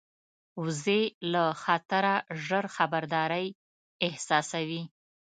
وزې له خطره ژر خبرداری احساسوي